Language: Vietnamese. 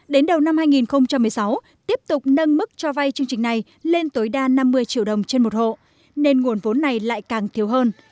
đến đầu năm hai nghìn một mươi sáu tiếp tục nâng mức cho vay chương trình này lên tối đa năm mươi triệu đồng trên một hộ nên nguồn vốn này lại càng thiếu hơn